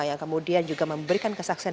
yang kemudian juga memberikan kesaksian